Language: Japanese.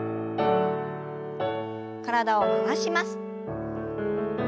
体を回します。